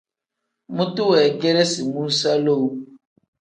Mutu weegeresi muusa lowu.